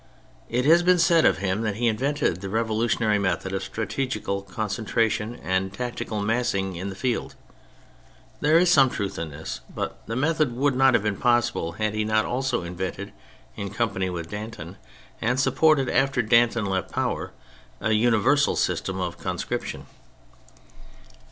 It has been said of him that he invented the revolutionary method of strategical con centration and tactical massing in the field. There is some truth in this ; but the method would not have been possible had he not also invented, in company with Danton, and sup ported after Danton left powxr, a universal system of conscription.